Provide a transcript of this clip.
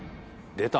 出た！